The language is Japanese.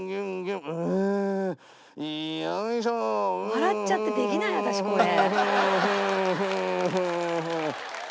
笑っちゃってできない私これ。